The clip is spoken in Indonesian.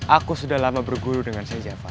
aku sudah lama berguru dengan syekh jafar